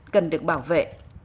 cần được bảo vệ